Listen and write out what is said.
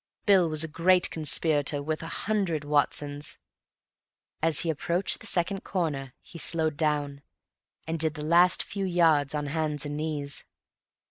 Bill was a great conspirator worth a hundred Watsons. As he approached the second corner he slowed down, and did the last few yards on hands and knees.